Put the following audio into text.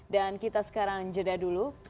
dan kita sekarang jeda dulu